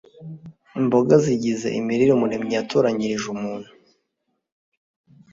Imboga zigize imirire Umuremyi yatoranyirije umuntu